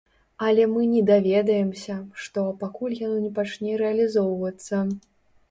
Але мы не даведаемся, што, пакуль яно не пачне рэалізоўвацца.